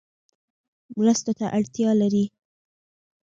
مرستو ته اړتیا لري